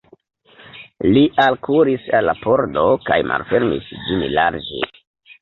Li alkuris al la pordo kaj malfermis ĝin larĝe.